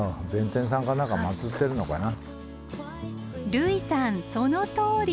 類さんそのとおり！